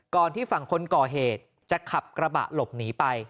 ที่ฝั่งคนก่อเหตุจะขับกระบะหลบหนีไป